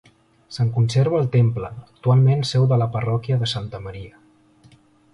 Se'n conserva el temple, actualment seu de la parròquia de Santa Maria.